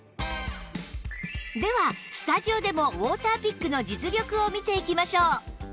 ではスタジオでもウォーターピックの実力を見ていきましょう